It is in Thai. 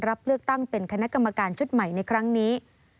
รับเลือกตั้งเป็นคณะกรรมการชุดใหม่ในครั้งนี้